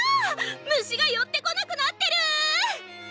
虫が寄ってこなくなってる！